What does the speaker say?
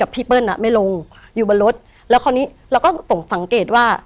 พี่เปิ้ลไม่ลงอยู่บนรถแล้วคราวนี้เราก็สังเกตว่า